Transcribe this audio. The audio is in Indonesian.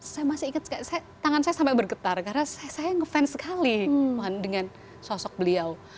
saya masih ingat tangan saya sampai bergetar karena saya ngefans sekali dengan sosok beliau